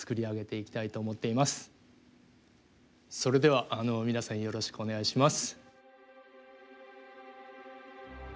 それでは皆さんよろしくお願いします。